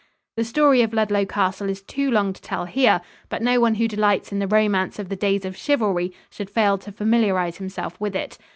The story of Ludlow Castle is too long to tell here, but no one who delights in the romance of the days of chivalry should fail to familiarize himself with it.